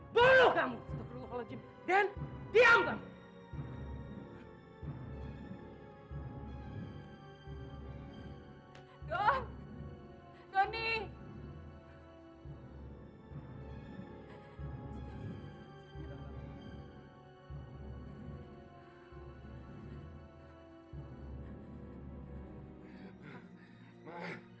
saya akan bunuh kamu